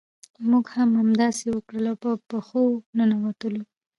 موږ هم همداسې وکړل او په پښو ننوتلو.